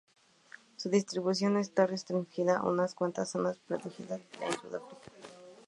Su distribución está restringida a unas cuantas zonas protegidas en Sudáfrica.